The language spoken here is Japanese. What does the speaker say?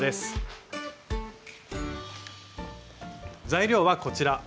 材料はこちら。